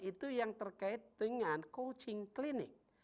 itu yang terkait dengan coaching clinik